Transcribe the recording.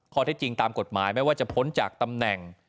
ข้อเท็จจริงตามกฎหมายไม่ว่าจะพ้นจากตำแหน่ง